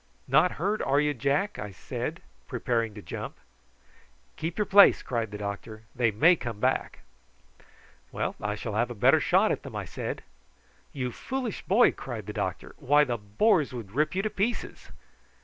"Not hurt, are you, Jack?" I said, preparing to jump. "Keep your place," cried the doctor; "they may come back." "Well, I shall have a better shot at them," I said. "You foolish boy!" cried the doctor. "Why, the boars would rip you to pieces."